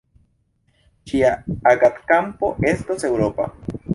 Ŝia agadkampo estos eŭropa.